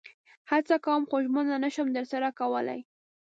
هڅه کوم خو ژمنه نشم درسره کولئ